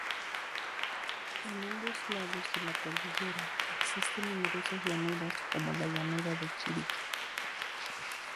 En ambos lados de la cordillera existen numerosas llanuras como la llanura de Chiriquí.